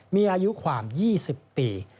มีอายุความ๒๐ปี